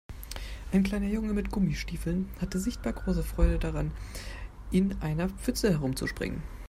Ein kleiner Junge mit Gummistiefeln hatte sichtbar große Freude daran, in einer Pfütze herumzuspringen.